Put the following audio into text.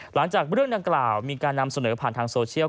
หลังจากเรื่องดังกล่าวมีการนำเสนอผ่านทางโซเชียล